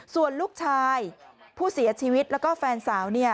ส่วนลูกชายผู้เสียชีวิตแล้วก็แฟนสาว